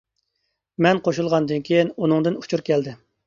مەن قوشۇلغاندىن كېيىن ئۇنىڭدىن ئۇچۇر كەلدى.